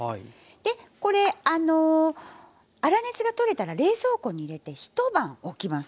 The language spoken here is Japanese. でこれ粗熱が取れたら冷蔵庫に入れて一晩おきます。